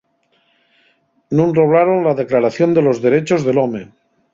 Nun roblaron la Declaración de los Derechos del Home.